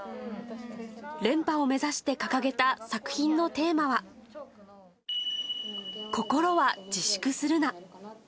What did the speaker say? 連覇を目指して掲げた作品のテーマは、心は自粛するな！